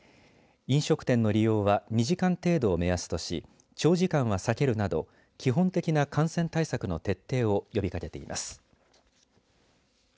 飲食店の利用は２時間程度を目安とし長時間は避けるなど基本的な感染対策の徹底を呼びかけています。